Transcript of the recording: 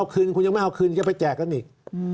คืนคุณยังไม่เอาคืนจะไปแจกกันอีก